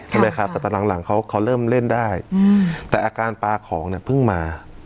ใช่ไหมครับแต่ตอนหลังเขาเขาเริ่มเล่นได้แต่อาการปลาของเนี่ยเพิ่งมา